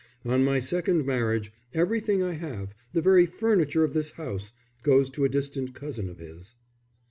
On my second marriage everything I have, the very furniture of this house, goes to a distant cousin of his."